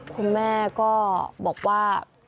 คุณแม่ก็บอกว่า